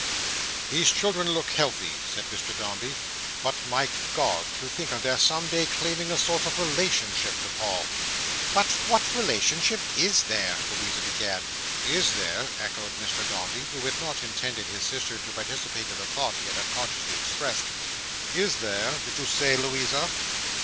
"These children look healthy," said Mr Dombey. "But my God, to think of their some day claiming a sort of relationship to Paul!" "But what relationship is there!" Louisa began— "Is there!" echoed Mr Dombey, who had not intended his sister to participate in the thought he had unconsciously expressed. "Is there, did you say, Louisa!"